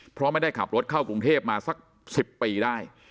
เพราะไม่ได้ขับรถเข้ากรุงเทพมาสัก๑๐ปีได้